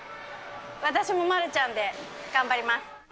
私もまるちゃんで頑張ります。